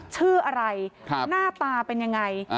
ชื่ออะไรหน้าตาเป็นยังไง